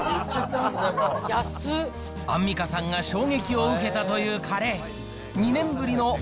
アンミカさんが衝撃を受けたというカレー。